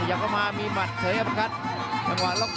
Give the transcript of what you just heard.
เหนยากมามีมัดเสธเอัจะประกัน